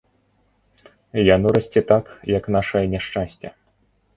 Яно расце так, як нашае няшчасце.